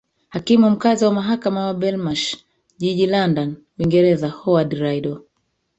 hakimu mkaazi wa mahakama wa belmash jiji london uingereza howard riddle